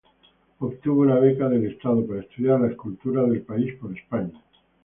Obtuvo una beca del Estado para estudiar la escultura del país por España.